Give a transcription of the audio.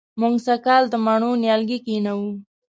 موږ سږ کال د مڼو نیالګي کېنوو